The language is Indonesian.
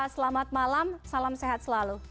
selamat malam salam sehat selalu